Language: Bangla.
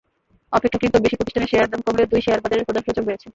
অপেক্ষাকৃত বেশি প্রতিষ্ঠানের শেয়ারের দাম কমলেও দুই শেয়ারবাজারের প্রধান সূচক বেড়েছে।